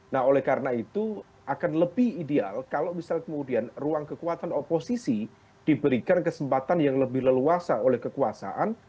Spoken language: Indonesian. nah oleh karena itu akan lebih ideal kalau misal kemudian ruang kekuatan oposisi diberikan kesempatan yang lebih leluasa oleh kekuasaan